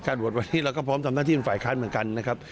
โหวตวันนี้เราก็พร้อมทำหน้าที่เป็นฝ่ายค้านเหมือนกันนะครับ